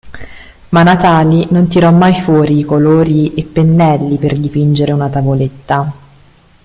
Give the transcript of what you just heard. Ma Natali non tirò mai fuori i colori e pennelli per dipingere una tavoletta.